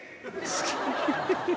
好き。